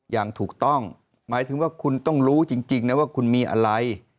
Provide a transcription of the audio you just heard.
อย่างถูกต้องหมายถึงว่าคุณต้องรู้จริงนะว่าคุณมีอะไร